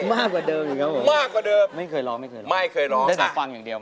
มากกว่าเดิมอยู่ครับผมไม่เคยร้องไม่เคยร้องได้แต่ฟังอย่างเดียวมันก็ไม่มีใครเหลี่ยว